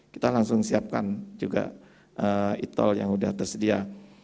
kita langsung siapkan juga e tol yang sudah tersedia